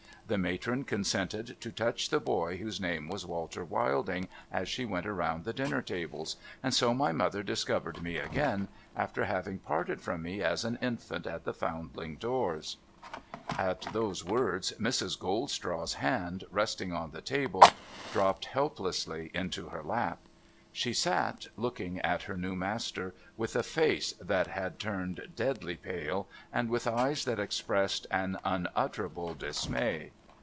The matron consented to touch the boy whose name was " Walter \\'ilding " as she went round the dinner tables — and so my mother discovered me again, after having parted from me as an infant at the Found ling doors.' At those words Mrs. Goldstraw's hand, resting on the table, dropped helplessly into her lap. She sat, looking at her new master, with a face that had turned deadly pale, and with eyes that expressed an unutterable dismay.